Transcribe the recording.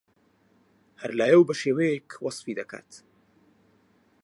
هەر لایەو بەشێوەیەک وەسفی دەکات